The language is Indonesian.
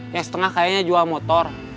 yang setengah kayaknya jual motor